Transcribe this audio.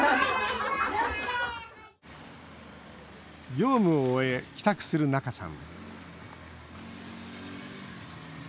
業務を終え、帰宅する仲さん。